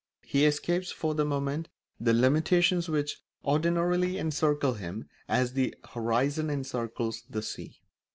He escapes for the moment the limitations which ordinarily encircle him as the horizon encircles the sea.